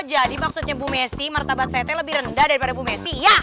jadi maksudnya bu messi martabat saya teh lebih rendah daripada bu messi ya